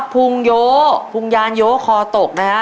พุงโยพุงยานโยคอตก